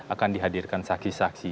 akan dihadirkan saksi saksi